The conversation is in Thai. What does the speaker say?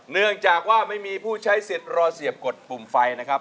เนื่องจากว่าไม่มีผู้ใช้สิทธิ์รอเสียบกดปุ่มไฟนะครับ